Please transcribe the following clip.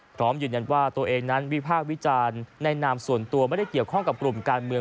พร้อมยืนยันว่าตัวเองนั้นวิพากษ์วิจารณ์ในนามส่วนตัวไม่ได้เกี่ยวข้องกับกลุ่มการเมือง